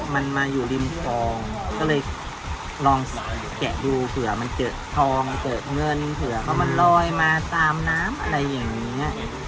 มันก็เลยเป็นสภาพนี้แล้วก็เลยแตกกระเจิงกันหมดเลย